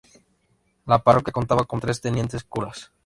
La parroquia contaba con tres tenientes curas.